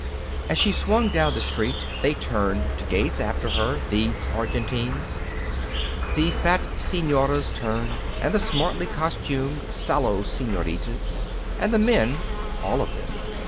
As she swung down the street they turned to gaze after her these Argentines. The fat senoras turned, and the smartly costumed, sallow senoritas, and the men all of them.